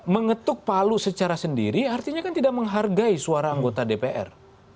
mengetuk palu secara sendiri artinya kan tidak menghargai suara anggota dpr